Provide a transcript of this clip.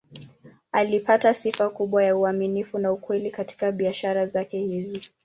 Alipata sifa kubwa ya uaminifu na ukweli katika biashara zake hizi.